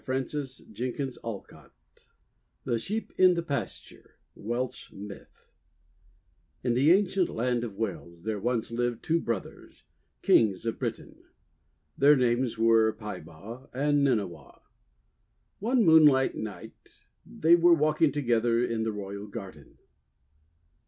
254 THE WONDER GARDEN THE SHEEP IN THE PASTURE Welsh Myth IN the ancient land of Wales there once lived two brothers, Kings of Britain. Their names were Peibaw and Nynniaw. One moonlight night they were walking together in the royal garden.